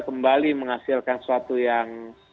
kembali menghasilkan sesuatu yang